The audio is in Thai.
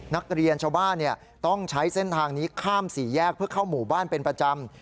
นักเรียนชาวบ้านต้องใช้เส้นทางนี้ข้ามสี่แยกเพื่อเข้าหมู่บ้านเป็นประจำ